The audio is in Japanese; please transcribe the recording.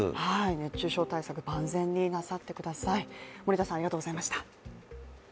熱中症対策、万全になさってください。